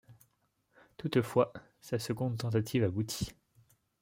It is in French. Toutefois, sa seconde tentative aboutit.